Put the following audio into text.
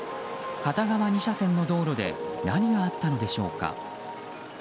片側２車線の道路で何があったのでしょうか。